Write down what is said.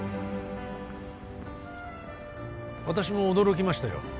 私も驚きましたよ